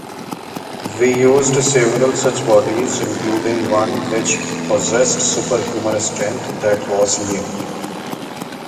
He used several such bodies, including one which possessed superhuman strength, but was mute.